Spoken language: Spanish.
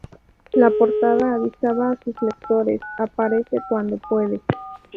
La portada avisaba a sus lectores ""Aparece cuando puede"".